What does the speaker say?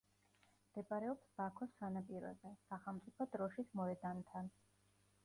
მდებარეობს ბაქოს სანაპიროზე, სახელმწიფო დროშის მოედანთან.